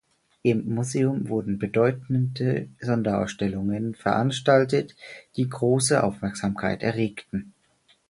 Im Museum wurden bedeutende Sonderausstellungen veranstaltet, die große Aufmerksamkeit erregten.